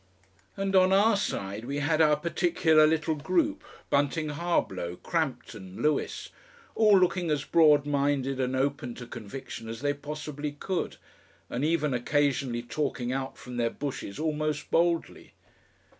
And on our side we had our particular little group, Bunting Harblow, Crampton, Lewis, all looking as broad minded and open to conviction as they possibly could, and even occasionally talking out from their bushes almost boldly.